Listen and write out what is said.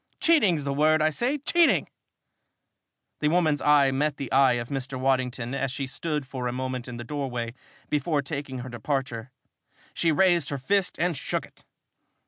Cheating's the word, I say cheating!" The woman's eye met the eye of Mr. Waddington as she stood for a moment in the doorway before taking her departure. She raised her fist and shook it.